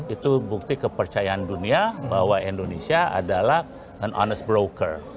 itu bukti kepercayaan dunia bahwa indonesia adalah and honest broker